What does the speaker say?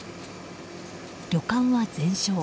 旅館は全焼。